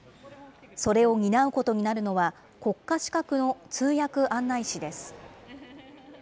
それを担うことになるのは、国家資格の通訳案内士です。